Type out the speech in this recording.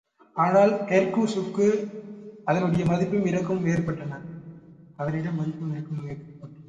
ஆனால், ஹெர்க்குலிஸுக்கு அதனிடம் மதிப்பும், இரக்கமுமே ஏற்பட்டன.